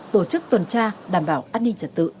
tổ chức tuần tra đảm bảo an ninh trật tự trên địa bàn